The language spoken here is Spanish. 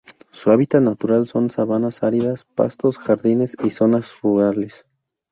Su hábitat natural son sabanas áridas, pastos, jardines y zonas rurales.